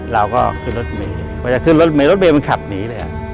เราก็ขึ้นรถเมย์พอจะขึ้นรถเมยรถเมย์มันขับหนีเลย